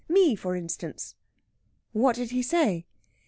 Me, for instance." "What did he say?"